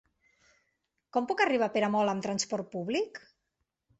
Com puc arribar a Peramola amb trasport públic?